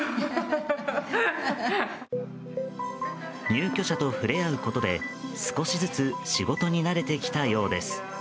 入居者と触れ合うことで少しずつ仕事に慣れてきたようです。